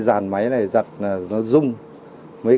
cái lúc máy vắt nó vắt hay làm rung hết